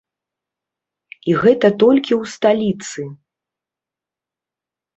І гэта толькі ў сталіцы!